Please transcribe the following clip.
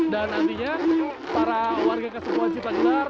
dan nantinya para warga kesepuan cipta gelar